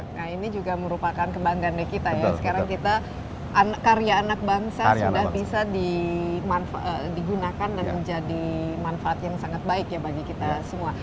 nah ini juga merupakan kebanggaannya kita ya sekarang kita karya anak bangsa sudah bisa digunakan dan menjadi manfaat yang sangat baik ya bagi kita semua